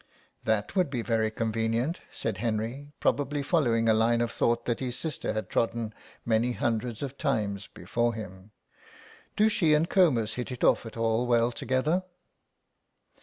"That would be very convenient," said Henry, probably following a line of thought that his sister had trodden many hundreds of times before him. "Do she and Comus hit it off at all well together?"